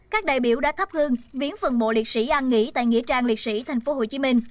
các đại biểu đã thắp hương viếng phần mộ liệt sĩ an nghỉ tại nghĩa trang liệt sĩ tp hcm